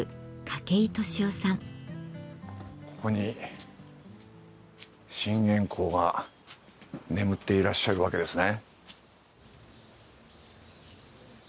ここに信玄公が眠っていらっしゃるわけですね。